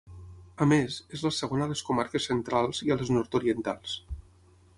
A més, és la segona a les comarques centrals i a les nord-orientals.